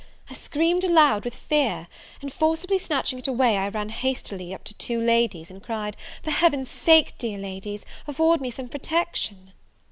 I screamed aloud with fear; and forcibly snatching it away, I ran hastily up to two ladies, and cried, "for Heaven's sake, dear ladies, afford me some protection!"